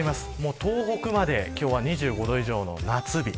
東北まで今日は２５度以上の夏日。